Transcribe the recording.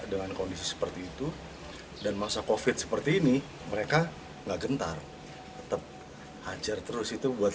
dengan kondisi seperti itu dan masa covid seperti ini mereka enggak gentar tetap hajar terus itu buat